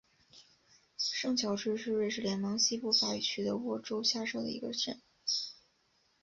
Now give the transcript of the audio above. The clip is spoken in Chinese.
圣乔治是瑞士联邦西部法语区的沃州下设的一个镇。